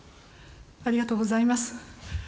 ありがとうございます。